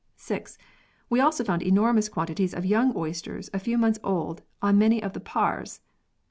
6. We also found enormous quantities of young oysters a few months old on many of the Paars.